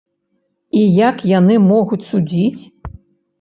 І як яны могуць судзіць?